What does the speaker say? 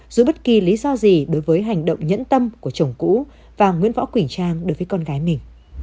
giữ bất kỳ lý do gì đối với hành động nhẫn tâm của chồng cũ và nguyễn võ quỳnh trang đối với con gái mình